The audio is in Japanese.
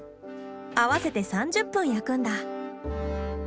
合わせて３０分焼くんだ。